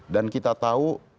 dan kita tahu